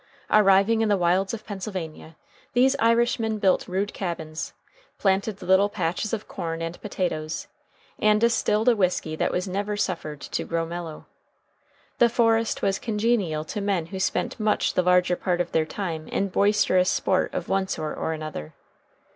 Arrived in the wilds of Pennsylvania, these Irishmen built rude cabins, planted little patches of corn and potatoes, and distilled a whiskey that was never suffered to grow mellow. The forest was congenial to men who spent much the larger part of their time in boisterous sport of one sort or another.